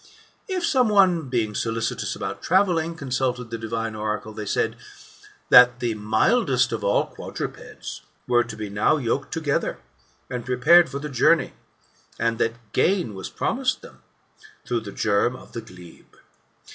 If some one, being solicitous about travelling, consulted the divine oracle, they said, That the mildest of all quadrupeds were to be now yoked together, and GOLDBN ASS, OF APULEIUS. — BOOK IX. I47 preparedL fof the journey, and that gain was promised thero, through the germe of the glebe.